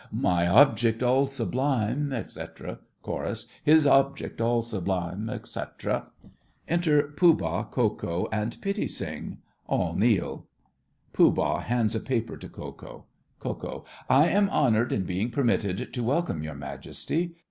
My object all sublime, etc. CHORUS. His object all sublime, etc. Enter Pooh Bah, Ko Ko, and Pitti Sing. All kneel (Pooh Bah hands a paper to Ko Ko.) KO. I am honoured in being permitted to welcome your Majesty.